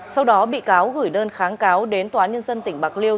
sau đó bị cáo gửi đơn kháng cáo đến tòa án nhân dân tỉnh bạc liêu